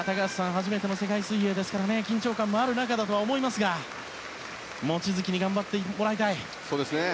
初めての世界水泳ですから緊張感もある中だと思いますが望月に頑張ってもらいたい。